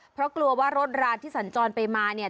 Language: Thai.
เพราะกลัวว่ารถราที่สัญจรไปมาเนี่ย